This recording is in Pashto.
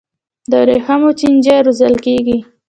د ورېښمو چینجي روزل کیږي؟